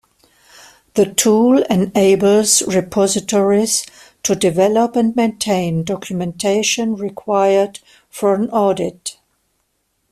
The tool enables repositories to develop and maintain documentation required for an audit.